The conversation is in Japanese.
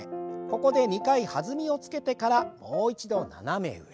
ここで２回弾みをつけてからもう一度斜め上。